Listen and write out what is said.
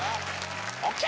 ＯＫ！